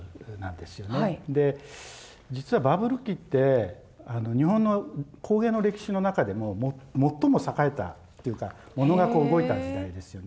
で実はバブル期って日本の工芸の歴史の中でも最も栄えたっていうかものが動いた時代ですよね。